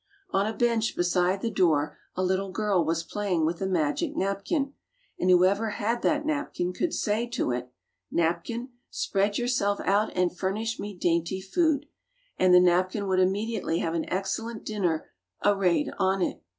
On a bench beside the door a little girl was playing with a magic napkin; and who ever had that napkin could say to it, "Nap kin, spread yourself out and furnish me dainty food"; and the napkin would immediately have an excellent dinner arrayed on it.